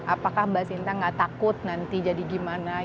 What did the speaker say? apakah mbak sinta gak takut nanti jadi gimana